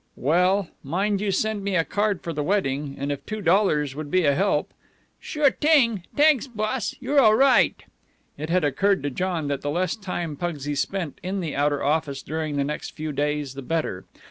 "Well, mind you send me a card for the wedding. And if two dollars would be a help " "Sure t'ing. T'anks, boss. You're all right." It had occurred to John that the less time Pugsy spent in the outer office during the next few days, the better.